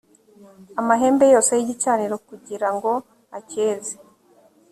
amahembe yose y’igicaniro kugira ngo acyeze